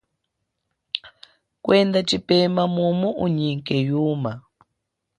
Kwenda tshipema mumu unyike yuma.